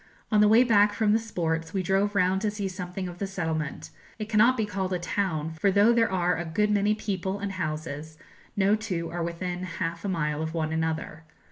On the way back from the sports we drove round to see something of the settlement; it cannot be called a town, for though there are a good many people and houses, no two are within half a mile of one another.